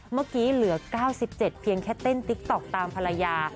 เมื่อกี้เหลือ๙๗เพียงแค่เต้นติ๊กต๊อกตามภรรยา